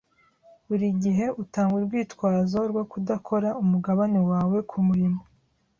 Buri gihe utanga urwitwazo rwo kudakora umugabane wawe kumurimo.